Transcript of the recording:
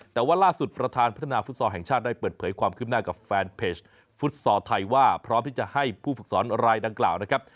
แต่ว่าล่าสุดประธานพัฒนาฟุตซอลแห่งชาติได้เปิดเผยความคืบหน้ากับแฟนเพจฟุตซอลไทยว่าพร้อมที่จะให้ผู้ฝึกสอนรายดังกล่าวนะครับ